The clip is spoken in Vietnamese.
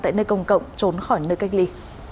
tại nơi công cộng trốn khỏi nơi cách ly